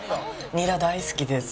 ニラ大好きです。